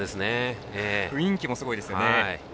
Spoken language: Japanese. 雰囲気もすごいですよね。